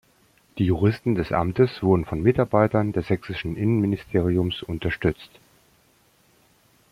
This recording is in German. Die Juristen des Amtes wurden von Mitarbeitern des Sächsischen Innenministeriums unterstützt.